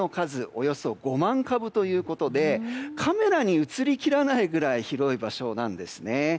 およそ５万株ということでカメラに映りきらないぐらい広い場所なんですね。